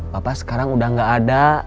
bapak sekarang udah gak ada